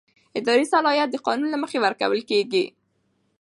اداري صلاحیت د قانون له مخې ورکول کېږي.